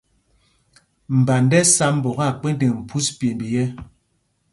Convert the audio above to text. Mband ɛ́ sá mbok akpendeŋ phūs pyêmb yɛ̄.